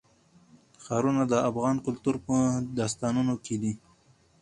ښارونه د افغان کلتور په داستانونو کې دي.